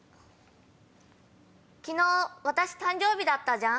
昨日私誕生日だったじゃん？